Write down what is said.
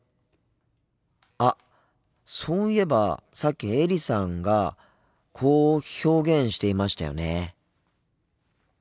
あっそういえばさっきエリさんがこう表現していましたよね。